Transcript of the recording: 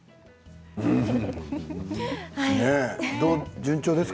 順調ですか？